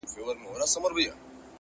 • ازادۍ ږغ اخبار د هر چا لاس کي ګرځي..